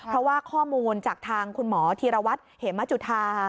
เพราะว่าข้อมูลจากทางคุณหมอธีรวัตรเหมจุธา